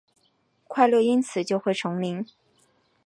快乐因此就会重临？